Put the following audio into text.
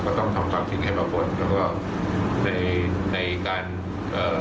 ก็ต้องทำความสิ่งให้มาผลแล้วก็ในในการเอ่อ